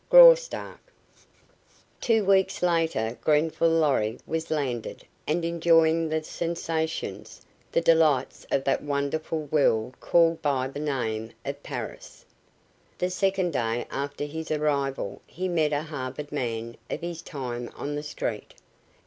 GRAUSTARK Two weeks later Grenfall Lorry was landed and enjoying the sensations, the delights of that wonderful world called by the name of Paris. The second day after his arrival he met a Harvard man of his time on the street.